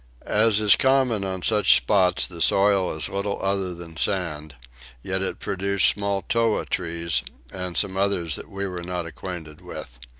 As is common on such spots the soil is little other than sand, yet it produced small toa trees and some others that we were not acquainted with.